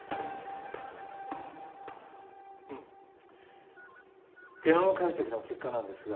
うんゲノム解析の結果なんですが。